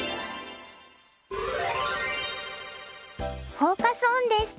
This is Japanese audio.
フォーカス・オンです。